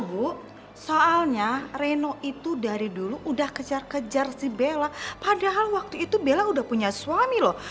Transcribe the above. bu soalnya reno itu dari dulu udah kejar kejar si bella padahal waktu itu bella udah punya suami loh